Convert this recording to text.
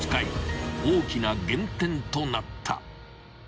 ［大きな減点となった］